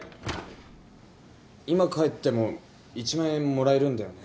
今帰っても１万円もらえるんだよね？